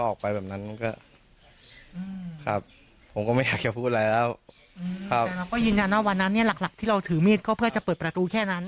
แต่เราก็ไม่อยากจะพูดอะไรแล้วแต่เราก็ยืนยันว่าวันนั้นเนี่ยหลักหลักที่เราถือมีดก็เพื่อจะเปิดประตูแค่นั้น